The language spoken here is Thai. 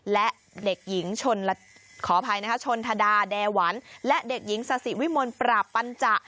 และเด็กหญิงชนทดาแดหวันและเด็กหญิงซาสิวิมลประปัญจะ